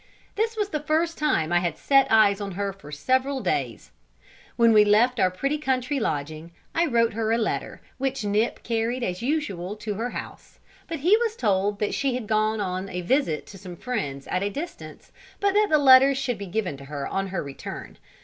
This was the first time I had set eyes on her for several days. When we left our pretty country lodging, I wrote her a letter, which Nip carried as usual to her house, but he was told that she had gone on a visit to some friends at a distance, but that the letter should be given to her on her return.